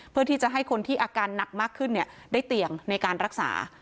เพื่อที่จะให้คนที่อาการหนักมากขึ้นได้เตียงในการรักษา